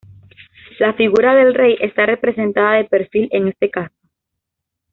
La figura del rey está representada de perfil en este caso.